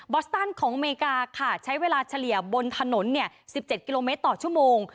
อสตันของอเมริกาค่ะใช้เวลาเฉลี่ยบนถนน๑๗กิโลเมตรต่อชั่วโมง